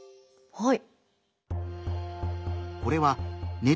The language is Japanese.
はい。